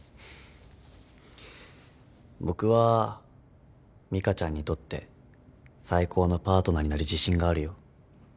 僕は美香ちゃんにとって最高のパートナーになる自信があるよ。